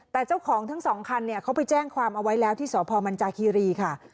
แต่เจ้าของทั้งสองคันเนี่ยเขาไปแจ้งความเอาไว้แล้วที่สพมันจาคีรีค่ะ